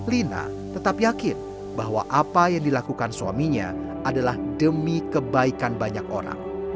lina tetap yakin bahwa apa yang dilakukan suaminya adalah demi kebaikan banyak orang